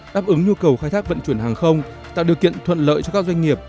đáp ứng nhu cầu khai thác vận chuyển hàng không tạo điều kiện thuận lợi cho các doanh nghiệp